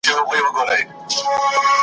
پټ یې د زړه نڅا منلای نه سم `